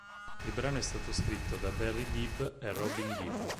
Il brano è stato scritto da Barry Gibb e Robin Gibb.